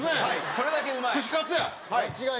それだけうまい！